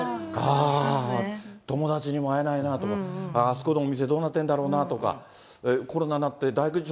ああー、友達にも会えないなとか、あそこのお店どうなってるんだろうなって、コロナになって、だいぶ。